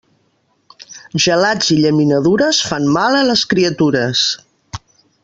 Gelats i llaminadures fan mal a les criatures.